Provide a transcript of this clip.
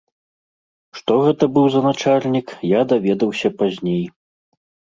Што гэта быў за начальнік, я даведаўся пазней.